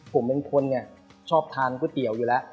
ผมเป็นคนชอบทานก๋วยเตี๋ยวอยู่แล้ว